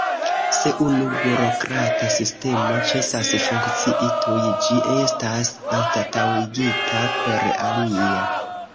Se unu burokrata sistemo ĉesas funkcii, tuj ĝi estas anstataŭigita per alia.